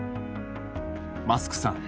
「マスクさん